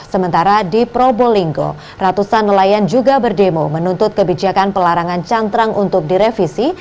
sementara di probolinggo ratusan nelayan juga berdemo menuntut kebijakan pelarangan cantrang untuk direvisi